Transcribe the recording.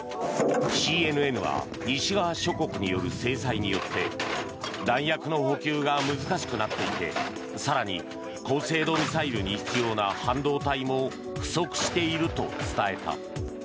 ＣＮＮは西側諸国による制裁によって弾薬の補給が難しくなっていて更に、高精度ミサイルに必要な半導体も不足していると伝えた。